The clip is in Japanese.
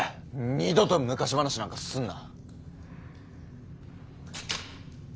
二度と昔話なんかすんな。